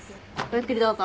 ゆっくりどうぞ。